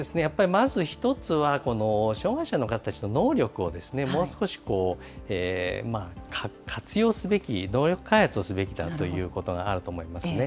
まず１つは、障害者の方たちの能力をもう少し活用すべき、能力開発をすべきだということがあると思いますね。